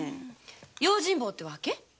用心棒ってわけ？